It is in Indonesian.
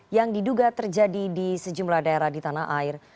yang diduga terjadi di sejumlah daerah di tanah air